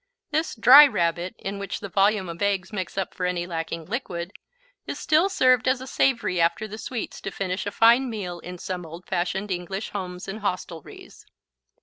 This "dry" Rabbit, in which the volume of the eggs makes up for any lacking liquid, is still served as a savory after the sweets to finish a fine meal in some old fashioned English homes and hostelries.